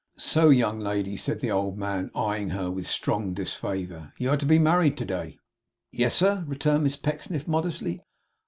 'So, young lady!' said the old man, eyeing her with strong disfavour. 'You are to be married to day!' 'Yes, sir,' returned Miss Pecksniff, modestly.